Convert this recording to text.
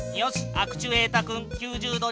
アクチュエータ君９０度になった。